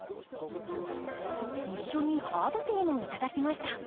一緒にハーブティーもいただきました。